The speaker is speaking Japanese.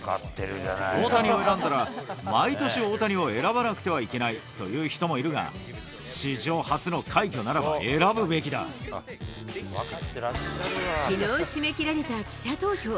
大谷を選んだら、毎年、大谷を選ばなくてはいけないという人もいるが、史上初の快挙ならきのう締め切られた記者投票。